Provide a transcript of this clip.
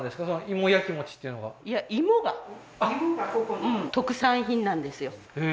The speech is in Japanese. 芋焼き餅っていうのがいや芋が芋がここの特産品なんですよへ